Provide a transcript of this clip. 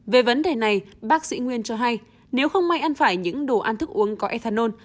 về vấn đề này bác sĩ nguyên cho hay nếu không may ăn phải những đồ ăn thức uống có ethanol